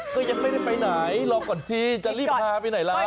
ก็ยังไม่ได้ไปไหนรอก่อนทีจะรีบพาไปไหนแล้ว